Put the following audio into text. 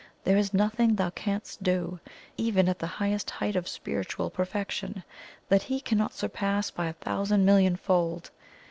There is nothing thou canst do, even at the highest height of spiritual perfection, that He cannot surpass by a thousand million fold!